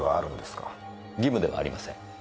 義務ではありません。